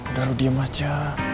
udah lo diem aja